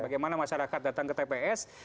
bagaimana masyarakat datang ke tps